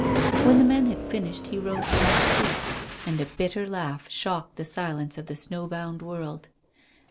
When the man had finished he rose to his feet, and a bitter laugh shocked the silence of the snow bound world.